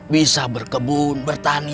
bisa berkebun bertani